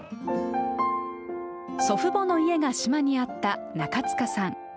祖父母の家が島にあった中塚さん。